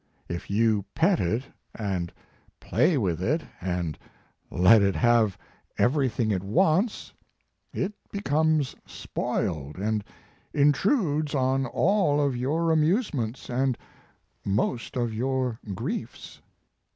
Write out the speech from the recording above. If you pet it and play with it and let it have every thing it wants, it becomes spoiled and intrudes on all of your amusements and most of your griefs.